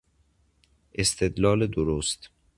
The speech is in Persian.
استدلال درست